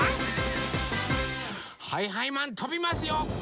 はいはいマンとびますよ！